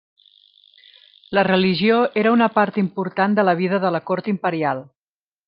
La religió era una part important de la vida de la cort imperial.